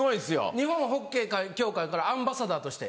日本ホッケー協会からアンバサダーとして。